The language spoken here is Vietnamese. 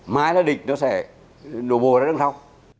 mai là địch nó sẽ nổ bồ ra đằng sau